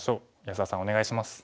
安田さんお願いします。